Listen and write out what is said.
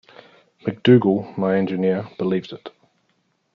MacDougall, my engineer, believes it.